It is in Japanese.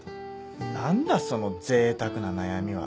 何だそのぜいたくな悩みは。